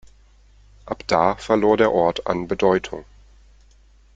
Ab da verlor der Ort an Bedeutung.